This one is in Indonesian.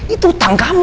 itu hutang kamu